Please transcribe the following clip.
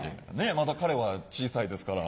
まだ彼は小さいですから。